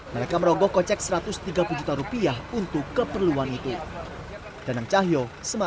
mereka merogoh kocek rp satu ratus tiga puluh juta rupiah untuk keperluan itu